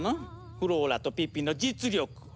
フローラとピッピの実力は。